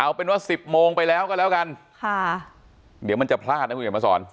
เอาเป็นว่าสิบโมงไปแล้วก็แล้วกันค่ะเดี๋ยวมันจะพลาดนะคุณเดี๋ยวมาสอน